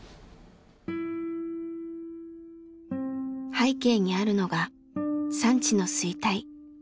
背景にあるのが産地の衰退。